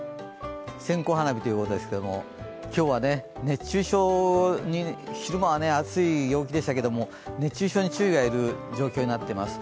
線香花火ということですけど今日は昼間は暑い陽気でしたけど熱中症に注意が要る状況になっています。